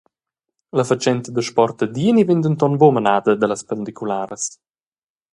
La fatschenta da sport a Dieni vegn denton buca menada dallas pendicularas.